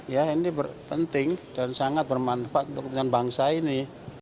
ya ini penting dan sangat bermanfaat untuk kepentingan bangsa ini